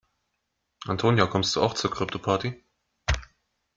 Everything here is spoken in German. Antonia, kommst du auch zur Kryptoparty?